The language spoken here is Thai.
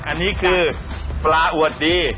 อันนี้คือปลาอั่วตี้